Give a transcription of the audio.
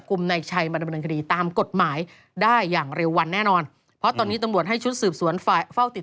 คุณคิดว่ายุงยักษ์เนี่ยประมาณถ้ายักษ์สุดเนี่ย